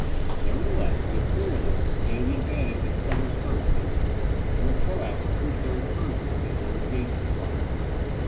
Nevertheless, the Imperialists obtained the advantage in several skirmishes, and the Croats pushed their incursions to the very gates of Prague.